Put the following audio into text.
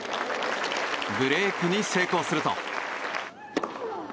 ブレークに成功すると。